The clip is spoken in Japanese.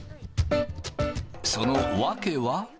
その訳は。